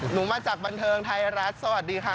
หนูมาจากบันเทิงไทยรัฐสวัสดีค่ะ